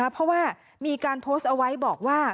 เพราะว่ามีการโพสต์เอาไว้บอกว่า